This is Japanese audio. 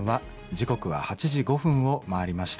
時刻は８時５分を回りました。